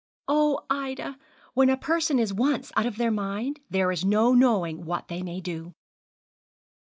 'Oh! Ida, when a person is once out of their mind, there is no knowing what they may do.'